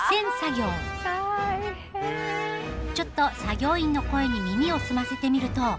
ちょっと作業員の声に耳を澄ませてみると。